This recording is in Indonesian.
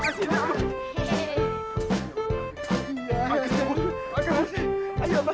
apa yang sepatu victoria bro macam apa